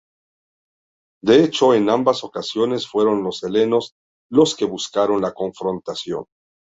De hecho, en ambas ocasiones fueron los helenos los que buscaron la confrontación.